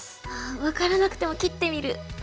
ああ分からなくても切ってみる。